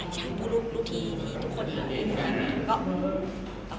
ฉ่านพลลูกลูกที่ทุกคนก็ถาม